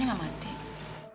enggak kok handphonenya gak mati